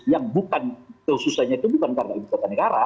yang bukan kehususannya itu bukan karena ibu kota negara